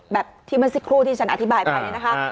แบบที่มันสิครูที่ฉันอธิบายไปนะคะ